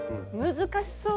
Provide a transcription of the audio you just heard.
難しそう。